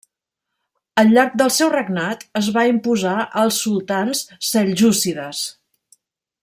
Al llarg del seu regnat es va imposar als sultans seljúcides.